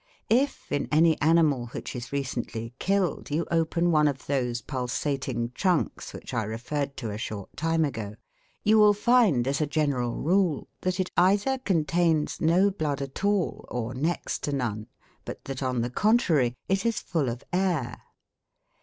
If, in any animal which is recently killed, you open one of those pulsating trunks which I referred to a short time ago, you will find, as a general rule, that it either contains no blood at all or next to none; but that, on the contrary, it is full of air.